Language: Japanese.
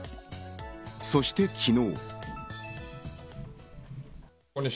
そして昨日。